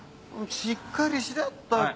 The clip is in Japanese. しっかりしろったく